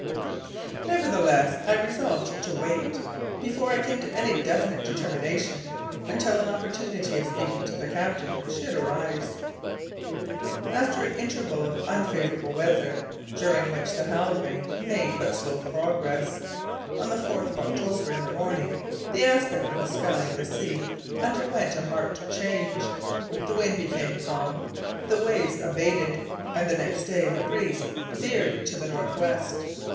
Nevertheless, I resolved to wait, before I came to any definite determination, until an opportunity of speaking to the captain should arise. [Illustration: Cook's route was effectually barred by ice floes.] After an interval of unfavourable weather, during which the Halbrane made but slow progress, on the 4th of October, in the morning, the aspect of the sky and the sea underwent a marked change. The wind became calm, the waves abated, and the next day the breeze veered to the north west.